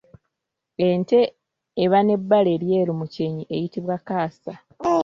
Ente eba n’ebbala eryeru mu kyenyi eyitibwa kaasa.